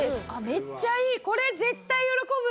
めっちゃいい！